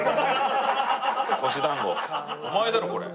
お前だろこれ。